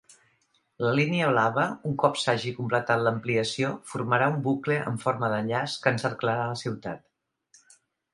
La línia blava, un cop s'hagi completat l'ampliació, formarà un bucle en forma de llaç que encerclarà la ciutat.